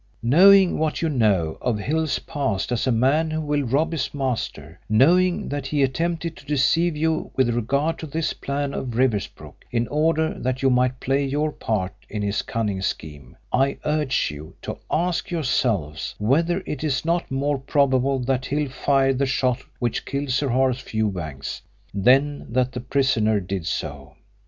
Knowing what you know of Hill's past as a man who will rob his master, knowing that he attempted to deceive you with regard to this plan of Riversbrook in order that you might play your part in his cunning scheme, I urge you to ask yourselves whether it is not more probable that Hill fired the shot which killed Sir Horace Fewbanks than that the prisoner did so.